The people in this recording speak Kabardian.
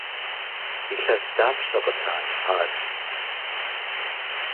Илъэс дапщэ къытралъхьар?